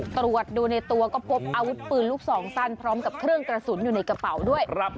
ตรวจดูในตัวก็พบอาวุธปืนลูกสองสั้นพร้อมกับเครื่องกระสุนอยู่ในกระเป๋าด้วย